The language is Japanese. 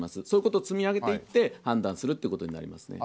そういうことを積み上げていって判断するということになります。